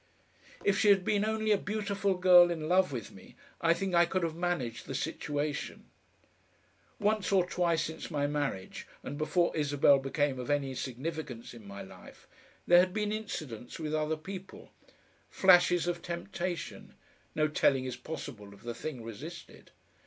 If she had been only a beautiful girl in love with me, I think I could have managed the situation. Once or twice since my marriage and before Isabel became of any significance in my life, there had been incidents with other people, flashes of temptation no telling is possible of the thing resisted.